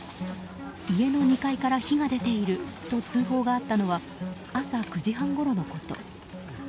家の２階から火が出ていると通報があったのは朝９時半ごろのこと。